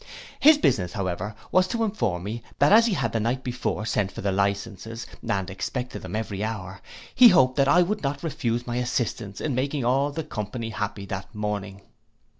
His business, however, was to inform me that as he had the night before sent for the licences, and expected them every hour, he hoped that I would not refuse my assistance in making all the company happy that morning.